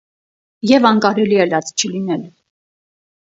- Եվ անկարելի է լաց չլինել…